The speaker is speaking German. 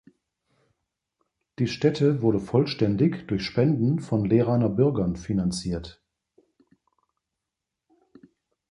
Die Stätte wurde vollständig durch Spenden von Leeraner Bürgern finanziert.